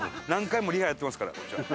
何回もリハやっていますから。